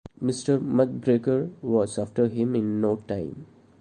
Mr McGregor was after him in no time.